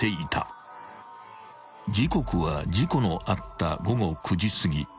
［時刻は事故のあった午後９時すぎ］